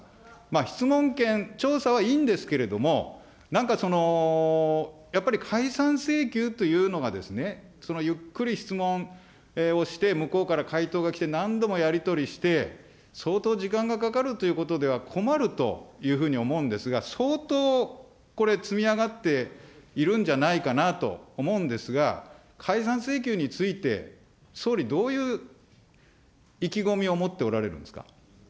質問権、調査はいいんですけれども、なんかその、やっぱり解散請求というのが、ゆっくり質問をして、向こうから回答が来て、何度もやり取りして、相当時間がかかるということでは、困るというふうに思うんですが、相当これ、積み上がっているんじゃないかなと思うんですが、解散請求について総理、どういう意気込みを持っておられるんですか。